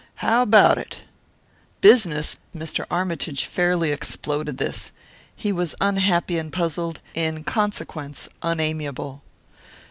How about it?" "Business?" Mr. Armytage fairly exploded this. He was unhappy and puzzled; in consequence, unamiable.